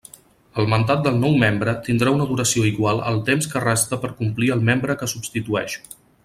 El mandat del nou membre tindrà una duració igual al temps que reste per complir al membre que substitueix.